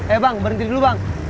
eh bang berhenti dulu bang